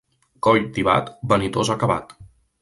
Coll tibat, vanitós acabat.